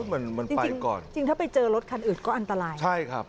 มันมันจริงก่อนจริงถ้าไปเจอรถคันอื่นก็อันตรายใช่ครับ